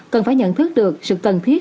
cần phải nhận thức được sự cần thiết